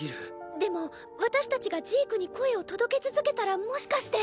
でも私たちがジークに声を届け続けたらもしかして。